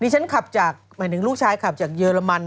เหมือนถึงลูกชายขับจากเยอรมัน